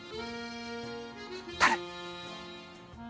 誰？